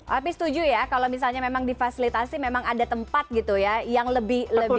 tapi setuju ya kalau misalnya memang difasilitasi memang ada tempat gitu ya yang lebih